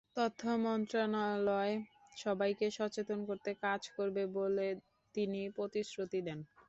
তথ্য মন্ত্রণালয় সবাইকে সচেতন করতে কাজ করবে বলেও তিনি প্রতিশ্রুতি দেন।